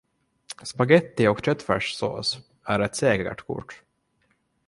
Spagetti och köttfärssås är ett säkert kort.